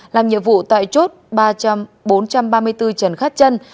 làm nhiệm vụ tại chốt ba bốn trăm ba mươi bốn trần khát trân